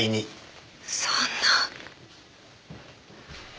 そんな。